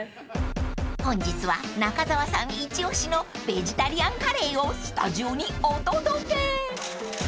［本日は中澤さんイチオシのベジタリアンカレーをスタジオにお届け］